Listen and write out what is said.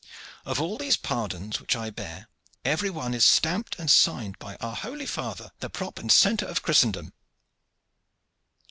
Of all these pardons which I bear every one is stamped and signed by our holy father, the prop and centre of Christendom."